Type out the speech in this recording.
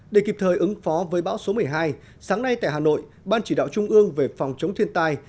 để kịp thời ứng phó với bão số một mươi hai sáng nay tại hà nội ban chỉ đạo trung ương về phòng chống thiên tai